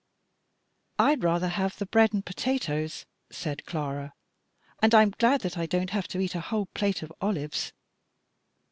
"I'd rather have the bread and potatoes," said Clara, "and I'm glad that I don't have to eat a whole plate of olives."